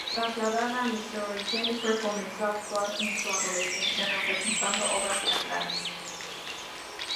Trasladada a Missouri, Jennifer comenzó a actuar en su adolescencia representando obras teatrales.